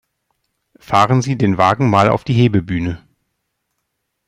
Fahren Sie den Wagen mal auf die Hebebühne.